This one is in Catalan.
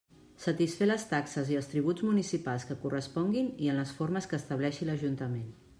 Satisfer les taxes i els tributs municipals que corresponguin i en les formes que estableixi l'Ajuntament.